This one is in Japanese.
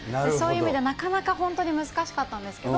そういう意味で、なかなか本当に難しかった。